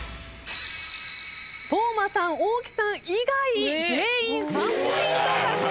當間さん大木さん以外全員３ポイント獲得です。